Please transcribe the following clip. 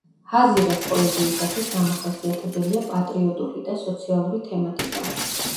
ჰაზირას პოეზიისათვის დამახასიათებელია პატრიოტული და სოციალური თემატიკა.